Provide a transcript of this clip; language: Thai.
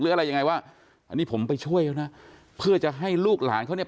หรืออะไรอย่างไรว่าอันนี้ผมไปช่วยเพื่อจะให้ลูกหลานเขา